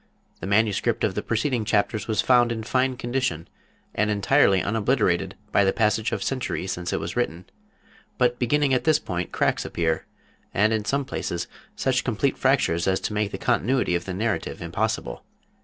The manuscript of the preceding chapters was found in fine condition, and entirely unobliterated by the passage of the centuries since it was written, but beginning at this point cracks appear, and in some places such complete fractures as make the continuity of the narrative impossible.